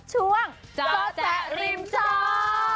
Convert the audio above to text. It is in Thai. เจ้าแจ๊ะริมเจ้า